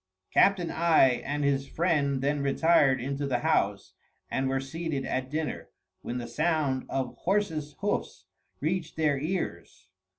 Captain I and his friend then retired into the house, and were seated at dinner, when the sound of horse's hoofs reached their ears.